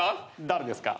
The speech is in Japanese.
誰ですか？